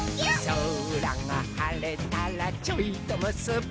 「そらがはれたらちょいとむすび」